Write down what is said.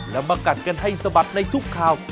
แล้วมากัดกันให้สะบัดในทุกข่าว